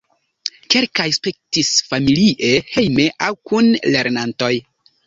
Kelkaj spektis familie hejme aŭ kun lernantoj.